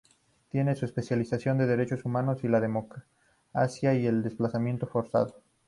Tiene su especialización en Derechos Humanos, la democracia y el desplazamiento forzado.